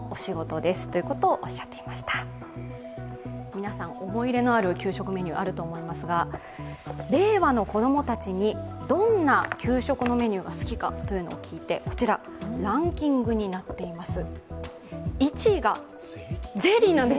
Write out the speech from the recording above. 皆さん、思い入れのある給食メニューあると思いますが令和の子供たちにどんな給食のメニューが好きか聞いて、ランキングになっています。